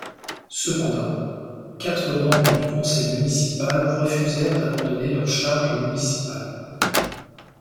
Cependant, quatre membres du Conseil municipal refusèrent d’abandonner leurs charges municipales.